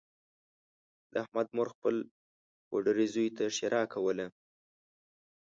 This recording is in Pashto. د احمد مور خپل پوډري زوی ته ښېرا کوله